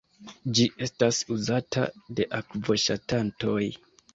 Ĝi estas uzata de akvoŝatantoj.